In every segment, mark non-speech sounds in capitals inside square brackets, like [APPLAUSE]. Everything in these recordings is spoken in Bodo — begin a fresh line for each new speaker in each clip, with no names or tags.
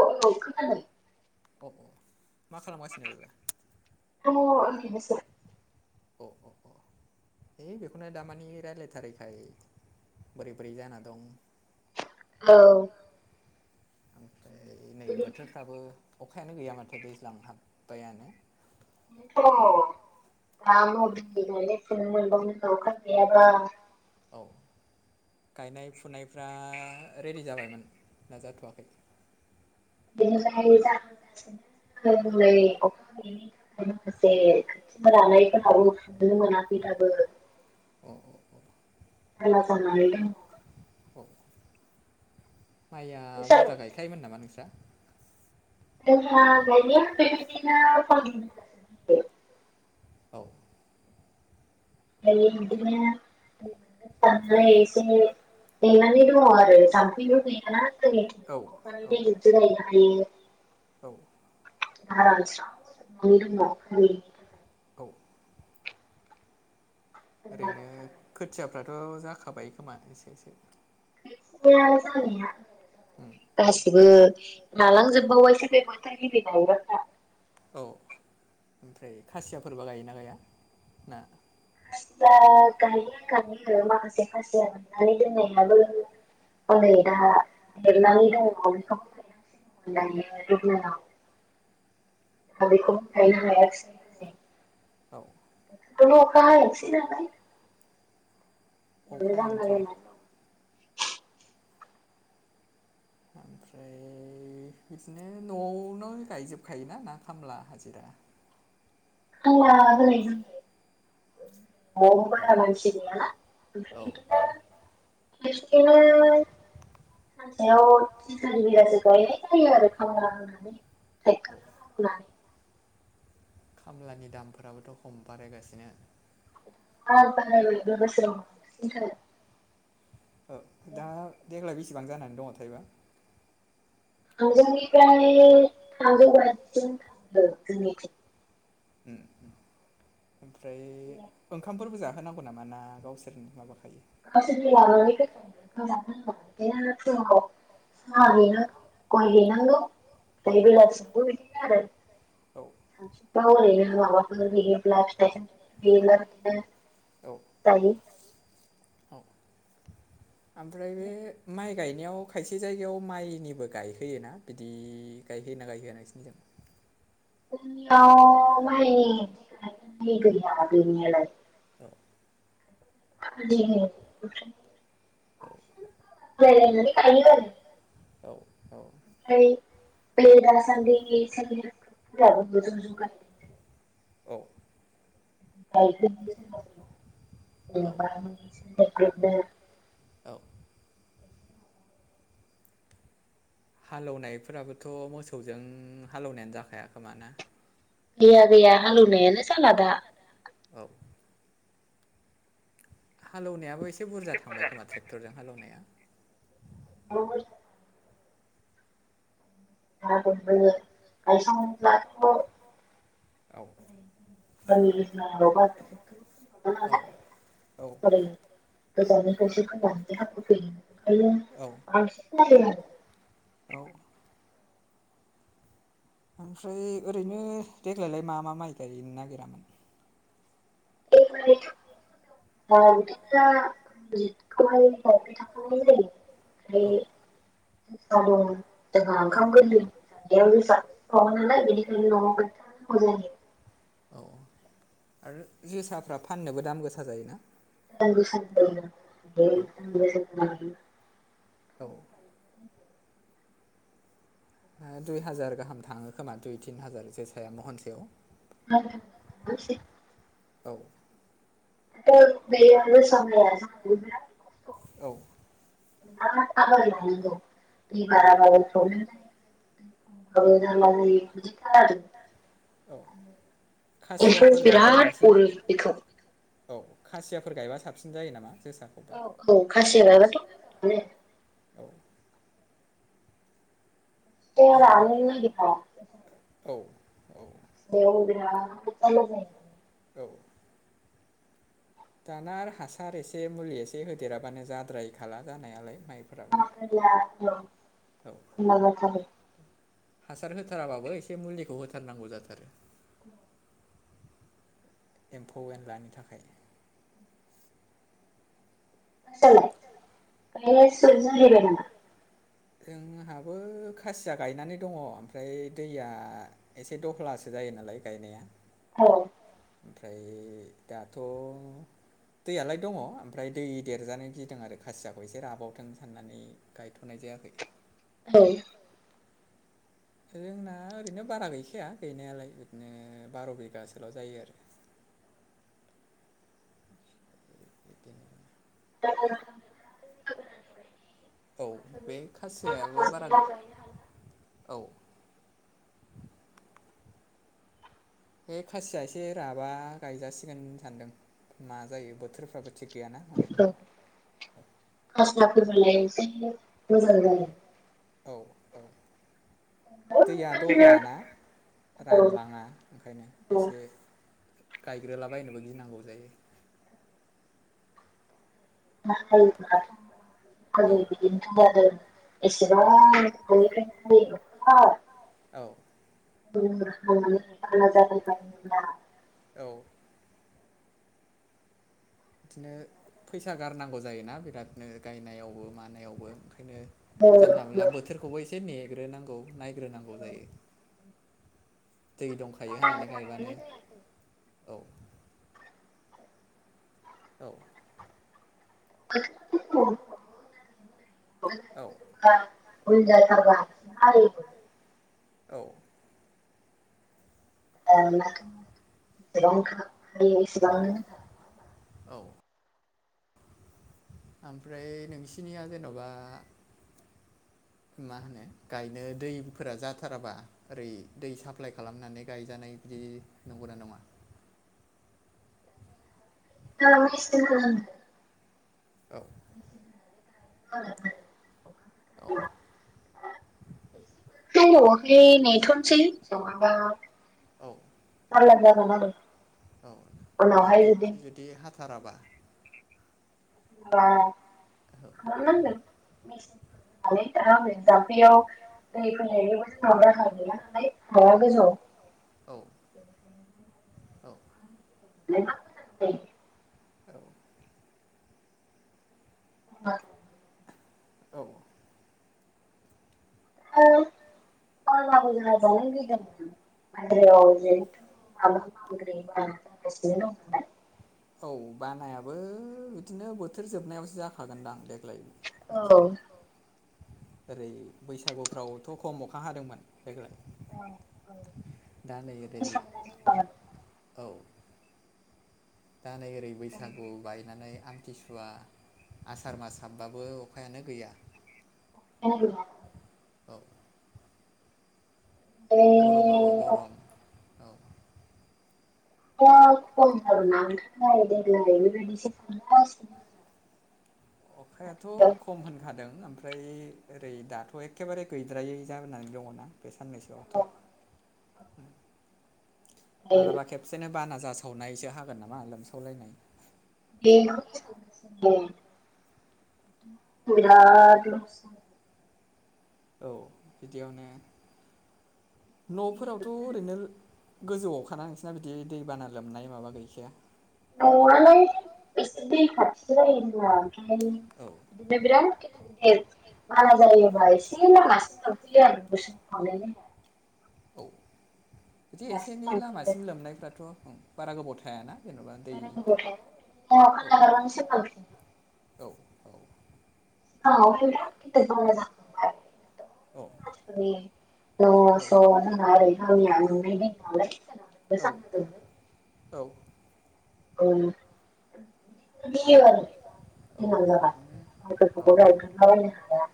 औ औ खोनादों
औ औ मा खालामगासिनो?
[UNINTELLIGIBLE]
है बेखौनो दामानि रायलायथारैखाय बोरै बोरै जाना दं
औ
ओमफ्राय नै बोथोरफ्राबो अखायानो गैया माथो दैज्लां हाबबायानो
अ [UNINTELLIGIBLE]
औ गायनाय फुनायफ्रा रेडि जाबाय? ना जाथ'वाखै?
[UNINTELLIGIBLE] अखा गैयैनि थाखाय माखासे खोथिफोरानायफोराबो नुनो मोनाखै द [UNINTELLIGIBLE]
अ औ औ
[UNINTELLIGIBLE]
औ औ माइया बुरजा गायखायोमोन नामा नोंस्रा
[UNINTELLIGIBLE]
औ
गायों इदिनो [UNINTELLIGIBLE] इसे नेनानै दङ' आरो जाम्फैबो गैया दै अखानि दैजोंसो गायनो हाथों।
औ
[INAUDIBLE]
औ ओरैनो खोथियाफ्राथ' जाखाबाय खोमा एसे एसे
[INAUDIBLE]
औ ओमफ्राय खासियाफोरबा गायोना गाया ना
बा गायो गायो आरो माखासे फासिया नानै दोननायाबो [INAUDIBLE] [UNINTELLIGIBLE] [UNINTELLIGIBLE] [INAUDIBLE]
ओमफ्राय बिदिनो न'आवनो गायजोबखायोना ना खामला हाजिरा
खामला होनाय जायो न'आवबो बारा मानसि गैयाना [INAUDIBLE] सानसेयाव दिन हाजिरासो गायनाय जायो आरो खामला होननानै [UNINTELLIGIBLE]
खामलानि दामफोराबोथ' खम बारायगासिनो
[UNINTELLIGIBLE]
दा देग्लाय बेसेबां जानानै दङ थायबा
[UNINTELLIGIBLE]
ओमफ्राय ओंखामफोरबो जा [UNINTELLIGIBLE] ना गावसोरनि माबाखायो
[INAUDIBLE] [UNINTELLIGIBLE] [UNINTELLIGIBLE] [UNINTELLIGIBLE]
ओमफ्राय बे माइ माइ गायनायाव खायसे जायगायाव माइनिबो गायहोयोना बिदि गायहोयोना गायहोआ नोंसिनिजों
[UNINTELLIGIBLE] [UNINTELLIGIBLE]
औ
लायनानै गायो आरो
औ औ
ओमफ्राय बे दासान्दि सेल्फ हेल्प ग्रुपफोराबो मोजां जौगानाय
औ
[UNINTELLIGIBLE] [UNINTELLIGIBLE]
हालेवनायफोराबोथ' मोसौजों हालौनायानो जाखाया खोमा ना गैया गैया हालेवनायानो जाखाला हालौनायाबो एसे बुरजा थांबाय खोमा ट्रेक्टरजों हालौनाया
[INAUDIBLE] [UNINTELLIGIBLE] [UNINTELLIGIBLE] [UNINTELLIGIBLE]
औ ओमफ्राय ओरैनो देग्लायलाय मा मा माइ गायनो नागिरामोन
ए माइआ [UNINTELLIGIBLE] ओफ्राय ज द जोंहा ओंखाम गोरलै जान् जो बेनिखायनो न'वावबो नांगौ जायो
औ आरो जोसाफ्रा फाननोबो दाम गोसा जायोना
[UNINTELLIGIBLE]
औ दुइ हाजार गाहाम थाङो खोमा दुइ तिन हाजार जोसाया महनसेयाव
आरो दसै [UNINTELLIGIBLE]
औ
औ बे जोंनि माया मावनायाव बो जोबोर खस्थ माब [UNINTELLIGIBLE] दै बाराबाबो प्रब्लेम जायो दै खमबाबो जारला जायो बिदिथार आरो बिरााद अरो बिखौ
औ खासियाफोर गायबा साबसिन जायो नामा
औ औ खासिया गायबाथ' मोजां
औ
र दि [UNINTELLIGIBLE]
औ
औ बेयाव जारला जायो
औ दाना आरो हासार एसे मुलि एसे होदेराबानो जाद्रायखाला जानायालाय
[UNINTELLIGIBLE] बाब
हासार होथाराबाबो एसे मुलिखौ होथारनांगौ जाथारो एम्फौ एनलानि थाखाय
आ [UNINTELLIGIBLE] बेज जबन [UNINTELLIGIBLE]
जोंहाबो खासिया गायनानै दङ ओमफ्राय दैया एसे दहलासो जायो नालाय गायनाया ओमफ्राय दाथ' दैयालाय दङ ओमफ्राय दै देरजानो गिदों आरो खासियाखौ एसे राबावथों साननानै गायथ'नाय जायो जायाखै
औ
जोंना ओरैनो बारा गैखाया गैनायालाय बिदिनो बार' बिगासोल' जायो आरो
[UNINTELLIGIBLE] औ [UNINTELLIGIBLE]
औ बे खासियाबो बारा औ बे खासिया एसे राबा गायजासिगोन सानदों मा जायो बोथोरफ्राबो थिग गैयाना
औ फास्लाफोरबालाय एसे मोजां जायो
औ औ दैया दहलाना रानलाङा ओंखायनो एसे गायग्रोलाबायनोबो गिनांगौ जायो
[UNINTELLIGIBLE] एसेबां प्रब्लेम जायो होमबा
औ
[UNINTELLIGIBLE]
औ बिदिनो फैसा गारनांगौ जायोना बिरादनो गायनायावबो मानायावबो बेखायनो जानला मोनला बोथोरखौबो एसे नेग्रोनांगौ नायग्रोनांगौ जायो दै दंखायो होननानै गायबानो औ
[UNINTELLIGIBLE] [UNINTELLIGIBLE]
औ
[UNINTELLIGIBLE] एसेबांनो
औ ओमफ्राय नोंसिनिया जेन'बा
[INAUDIBLE]
मा होनो गायनो दैफोरा जाथाराबा ओरै दै साप्लाय खालामनानै गायजानाय बिदि नंगौना नङा
[INAUDIBLE] [UNINTELLIGIBLE] [UNINTELLIGIBLE] [UNINTELLIGIBLE] नेथ'नोसै जाल्ला जागोन आरो उनाव हाय जुदि [UNINTELLIGIBLE] खालामनांगोन मिसिनफोर‌ होनानै [UNINTELLIGIBLE] जामफैयाव दै फैनायनिबो जोंनाव राहा गैला नालाय हाया गोजौ
औ
[UNINTELLIGIBLE]
औ
[UNINTELLIGIBLE]
औ
[UNINTELLIGIBLE] जों रायजानो गिदों [UNINTELLIGIBLE] [UNINTELLIGIBLE] बाहायगासिनो दं दायो
औ बानायाबो बिदिनो बोथोर जोबनायावसो जाखागोनदां देग्लाय
औ
ओरै बैसागुफ्रावथ' खम अखा हादोंमोन देग्लाय दा नै ओरै औ दा नै ओरै बैसागु बायनानै आं आथिसुवा आसार मास हाबबाबो अखायानो गैया
[UNINTELLIGIBLE]
औ गरमाबो गरम औ
[UNINTELLIGIBLE] खम हादोंना बेनि थाखाय देग्लाय बेबायदिसो [UNINTELLIGIBLE]
अखायाथ' खम होनखादों ओमफ्राय ओरै दाथ' एखेबारे गैद्रायै जानानै दङ दा बे साननैसोआवथ' मालाबा खेबसेनो बाना जासावनायसो हागोन नामा लोमसावलायनाय
बेखौनोथ' सानगासिनो बिराद लस जाबायहाय
औ बिदियावनो न'फोरावथ' ओरैनो गोजौआवखाना नोंसिना बिदि दै बाना लोमनाय माबा गैखाया
न'आलाय एसे दै खाथिसो जायो जोंना ओमफ्राय बिदिनो बिराद गिदिर गिदिर बाना जायोबा एसे लामा [UNINTELLIGIBLE] [UNINTELLIGIBLE]
औ बिदि एसे एनै लामासिम लोमनायफ्राथ' बारा गोबाव थायाना
बारा गोथागोबाव‌ नायाना बिदिनो अखा नगारबानो‌ सेमफाला बायोफिनो
औ औ
[UNINTELLIGIBLE] न स नाल नालाय [UNINTELLIGIBLE] सनो
औ
औ गोनां जाबा माइफोरखौबो रायग्रोनलाबायायनो हाया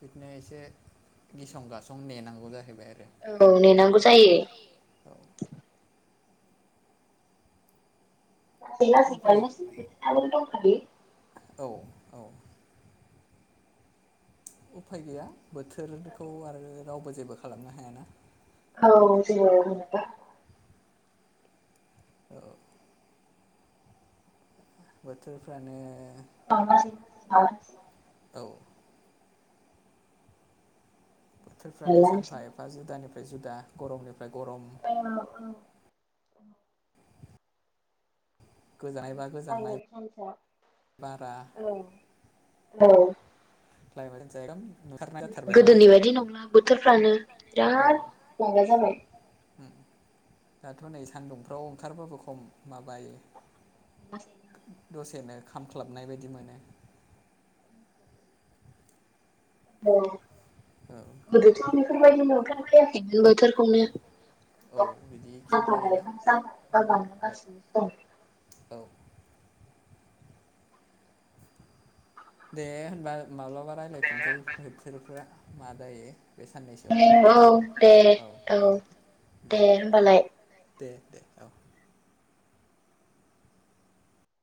बिदिनो एसे गिसं गासं नेनांगौ जाहैबाय
औ नेेनांगौ जायो [UNINTELLIGIBLE]
औ औ उफाय गैया बोथोरखौ आरो रावबो जेबो खालामनो हायाना
औ जेनेबा
औ बोथोरफ्रानो
आ
औ बोथोरफ्रानो सानफा एफा जुदानिफ्राय जुदा गरमनिफ्राय
औ औ [UNINTELLIGIBLE] औ औ
रायलाय जगोन
गोदोनि बायदि नंला बोथोरफ्रानो बिराद माबा जाबाय
दाथ' नै सान्दुंफ्राव ओंखारबाबो खम माबायो
जब जा
बेसेनो खामख्लाबनाय बायदि मोनो
गोदोथ' बेफोरबायदि नुखायाखैमोन बोथोरखौनो साथा स बब बसिनो
औ दे होनबा माब्लाबा रायज्लायफिनसै बोथोरफोरा मा जायो
औ दे औ दे होनोमबालाय
दे दे औ